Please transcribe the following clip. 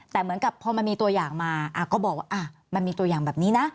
แต่เหมือนกับพอมันมีตัวอย่างมาก็บอกว่ามันมีตัวอย่างแบบนี้นะ